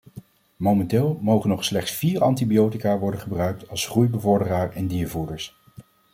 Momenteel mogen nog slechts vier antibiotica worden gebruikt als groeibevorderaar in diervoeders.